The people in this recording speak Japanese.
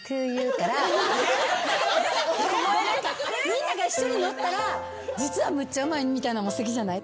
みんなが一緒に乗ったら実はむっちゃうまいみたいなのもすてきじゃない？